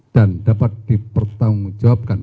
dan dapat dipertanggungjawabkan